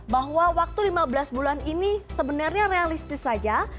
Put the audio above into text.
bahwa waktu lima belas bulan ini sebenarnya realistis saja